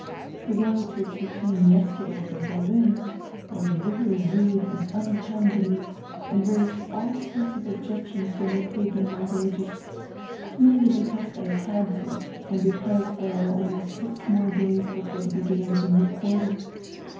The relatives who came yesterday from Berlin * were very rude and unkind to me and raised all sorts of objections when they paid me my wages, merely because diey had to and because diere are only six more days before die beginning of a new quarter.